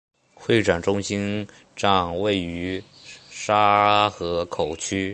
会展中心站位于沙河口区。